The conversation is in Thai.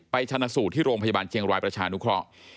ไปชนะสูตรที่โรงพยาบาลเกียงร้อยประชานุคร